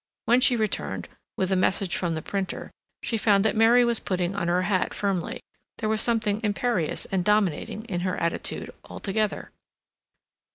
When she returned, with a message from the printer, she found that Mary was putting on her hat firmly; there was something imperious and dominating in her attitude altogether.